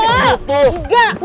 udah gak butuh